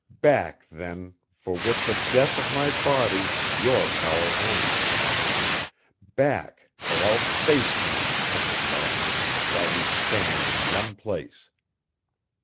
Back, then, for with the death of my body your power ends. Back or else face me, Thing of Darkness, while we stand in one place."